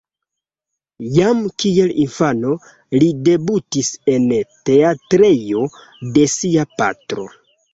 Jam kiel infano, li debutis en teatrejo de sia patro.